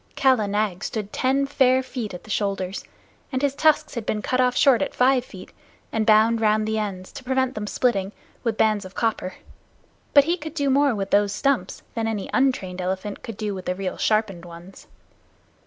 Kala Nag stood ten fair feet at the shoulders, and his tusks had been cut off short at five feet, and bound round the ends, to prevent them splitting, with bands of copper; but he could do more with those stumps than any untrained elephant could do with the real sharpened ones.